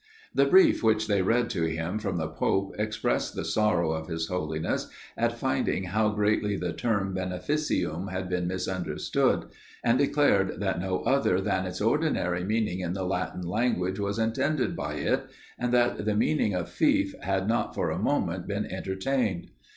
The brief which they read to him from the pope, expressed the sorrow of his Holiness at finding how greatly the term "beneficium" had been misunderstood, and declared that no other than its ordinary meaning in the Latin language was intended by it, and that the meaning of feoff had not for a moment been entertained.